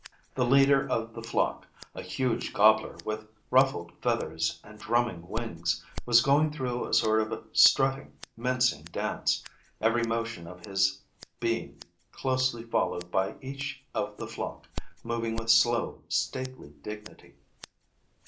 The leader of the flock, a huge gobbler with ruffled feathers and drumming wings, was going through a sort of strutting, mincing dance, every motion of his being closely followed by each of the flock, moving with slow, stately dignity.